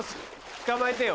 捕まえてよ。